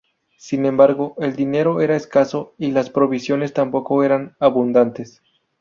Sin embargo, el dinero era escaso y las provisiones tampoco eran abundantes.